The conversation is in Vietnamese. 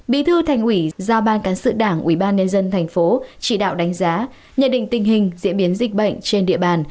bí thư thành ủy do ban cán sự đảng ubnd tp chỉ đạo đánh giá nhận định tình hình diễn biến dịch bệnh trên địa bàn